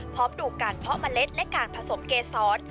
พร้อมดูการเพาะเมล็ดและการผสมเกษร